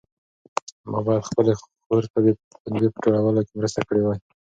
ما باید خپلې خور ته د پنبې په ټولولو کې مرسته کړې وای.